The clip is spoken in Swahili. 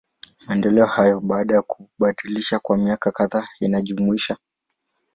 Maendeleo hayo, baada ya kubadilishwa kwa miaka kadhaa inajumuisha.